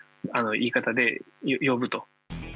言い方で呼ぶと。